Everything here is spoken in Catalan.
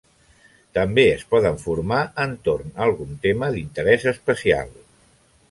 També es poden formar entorn algun tema d'interès especial.